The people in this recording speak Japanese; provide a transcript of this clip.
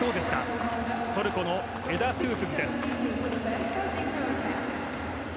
トルコのエダ・トゥースズ。